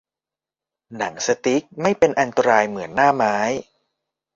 หนังสติ๊กไม่เป็นอันตรายเหมือนหน้าไม้